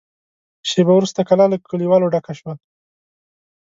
شېبه وروسته کلا له کليوالو ډکه شوه.